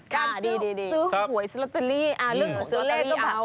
ซื้อหวยสล็อตเตอรี่